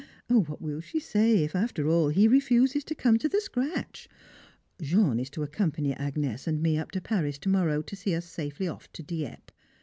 What will she say if after all he refuses to come to the scratch! Jean is to accompany Agnès and me up to Paris to morrow to see us safely off to Dieppe.